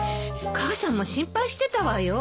母さんも心配してたわよ。